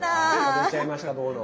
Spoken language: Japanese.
出ちゃいましたボーノ。